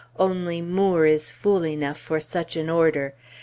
Only Moore is fool enough for such an order.